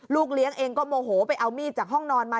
เลี้ยงเองก็โมโหไปเอามีดจากห้องนอนมา